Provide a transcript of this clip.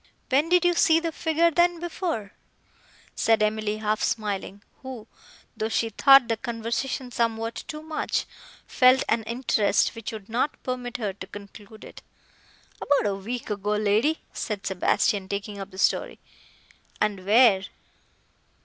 "When did you see the figure, then, before?" said Emily half smiling, who, though she thought the conversation somewhat too much, felt an interest, which would not permit her to conclude it. "About a week ago, lady," said Sebastian, taking up the story. "And where?"